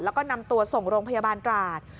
แล้วก็นำตัวส่งโรงพยาบาลตราด